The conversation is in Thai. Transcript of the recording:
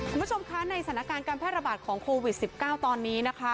คุณผู้ชมคะในสถานการณ์การแพร่ระบาดของโควิด๑๙ตอนนี้นะคะ